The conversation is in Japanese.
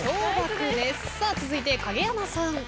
続いて影山さん。